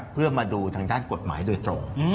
เพื่อมาดูทางด้านกฎหมายโดยตรง